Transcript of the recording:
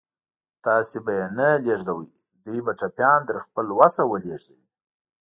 تاسې به یې نه لېږدوئ، دوی به ټپيان تر خپل وسه ولېږدوي.